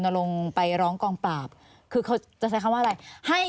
ไม่มีใครมีอำนาจสอบสวนจนกว่าจะมีพญาหลักฐานใหม่